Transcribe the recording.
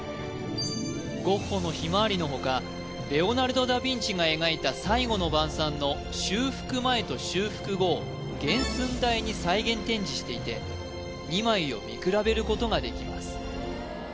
ゴッホの「ヒマワリ」の他レオナルド・ダ・ヴィンチが描いた「最後の晩餐」の修復前と修復後を原寸大に再現展示していて２枚を見比べることができます